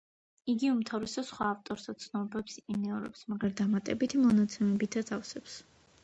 იგი უმთავრესად სხვა ავტორთა ცნობებს იმეორებს, მაგრამ დამატებითი მონაცემებითაც ავსებს.